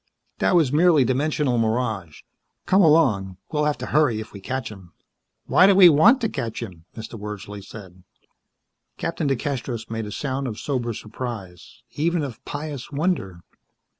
"That was merely dimensional mirage. Come along. We'll have to hurry if we catch him." "Why do we want to catch him?" Mr. Wordsley said. Captain DeCastros made a sound of sober surprise. Even of pious wonder.